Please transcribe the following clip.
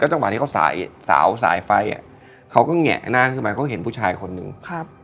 จังหวะที่เขาสายสาวสายไฟอ่ะเขาก็แงะหน้าขึ้นมาเขาเห็นผู้ชายคนหนึ่งครับ